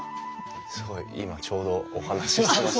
すごい今ちょうどお話ししてました。